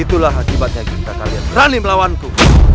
itulah akibatnya kita kalian berani melawanku